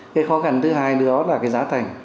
cái khó khăn thứ hai nữa là cái giá thành